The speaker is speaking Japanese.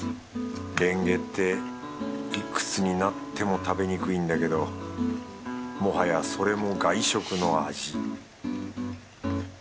レンゲっていくつになっても食べにくいんだけどもはやそれも外食の味